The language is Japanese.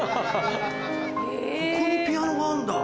ここにピアノがあんだ。